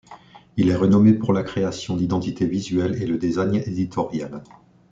Il est renommé pour la création d'identités visuelles et le design éditorial.